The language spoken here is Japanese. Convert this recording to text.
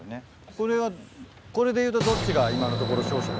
これはこれでいうとどっちが今のところ勝者ですか？